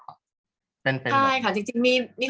กากตัวทำอะไรบ้างอยู่ตรงนี้คนเดียว